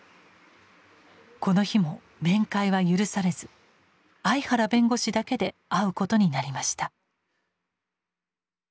この日も面会は許されず相原弁護士だけで会うことになりました。